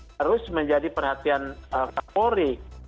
harus menjadi perhatian favorit